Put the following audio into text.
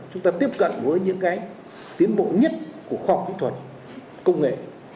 chúng ta tiếp cận với những cái tiến bộ nhất của khoa học kỹ thuật công nghệ